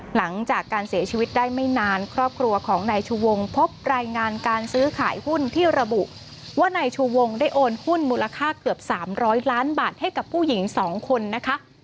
หลังจากการเสียชีวิตได้ไม่นานครอบครัวของนายชูวงพบรายงานการซื้อขายหุ้นที่ระบุว่านายชูวงได้โอนหุ้นมูลค่าเกือบ๓๐๐ล้านบาทให้กับผู้หญิง๒คนนะคะ